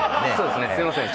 すいません